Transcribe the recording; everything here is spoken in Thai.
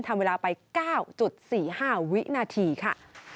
ทำเวลาไป๙๔๕วินาทีค่ะ